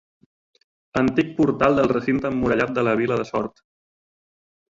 Antic portal del recinte emmurallat de la vila de Sort.